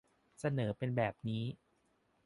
เสนอเป็นแบบนี้